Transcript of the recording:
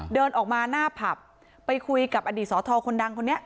เดินออกมาหน้าผับไปคุยกับอดีตสทคนดังคนนี้